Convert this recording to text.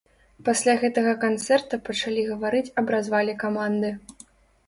Пасля гэтага канцэрта пачалі гаварыць аб развале каманды.